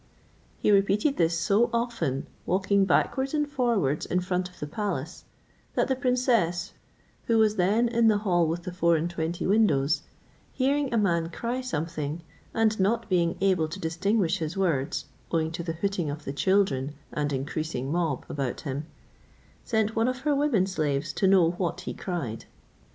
He repeated this so often, walking backwards and forwards in front of the palace, that the princess, who was then in the hall with the four and twenty windows, hearing a man cry something, and not being able to distinguish his words, owing to the hooting of the children and increasing mob about him, sent one of her women slaves to know what he cried.